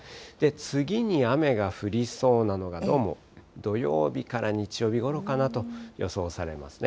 次に雨が降りそうなのが、どうも土曜日から日曜日ごろかなと予想されますね。